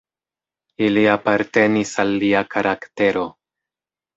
Ili apartenis al lia karaktero.